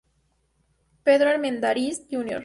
Pedro Armendáriz, Jr.